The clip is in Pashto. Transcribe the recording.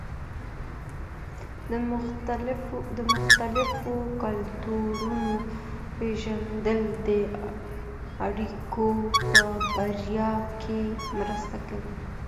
د مختلفو کلتورونو پېژندل د اړيکو په بریا کې مرسته کوي.